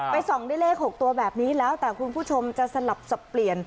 ส่องด้วยเลข๖ตัวแบบนี้แล้วแต่คุณผู้ชมจะสลับสับเปลี่ยน